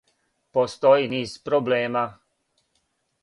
Постоји низ проблема. ...